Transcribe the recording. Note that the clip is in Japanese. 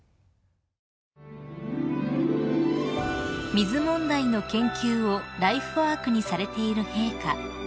［水問題の研究をライフワークにされている陛下］